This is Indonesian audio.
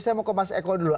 saya mau ke mas eko dulu